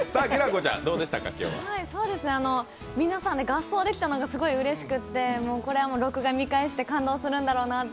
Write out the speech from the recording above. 皆さんで合唱できたのがすごいうれしくてこれはもう、録画を見返して感動するだろうなと思って。